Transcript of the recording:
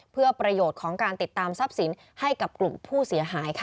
เพื่อประโยชน์ของการติดตามทรัพย์สินให้กับกลุ่มผู้เสียหายค่ะ